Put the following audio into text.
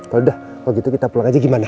kalau udah kalau gitu kita pulang aja gimana